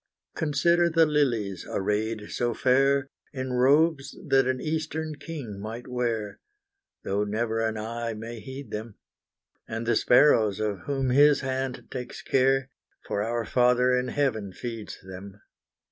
Consider the lilies, arrayed so fair, In robes that an eastern king might wear, Though never an eye may heed them; And the sparrows, of whom His hand takes care, For our Father in Heaven feeds them.